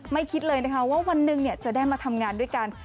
คิดเลยนะคะว่าวันหนึ่งจะได้มาทำงานด้วยกัน